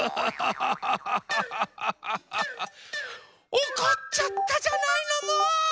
おこっちゃったじゃないのもう！